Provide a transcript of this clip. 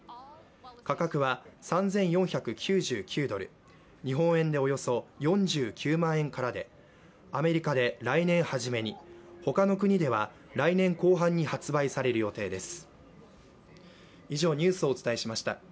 価格は３４９９ドル、日本円でおよそ４９万円からでアメリカで来年初めに他の国では来年後半に発売される予定です。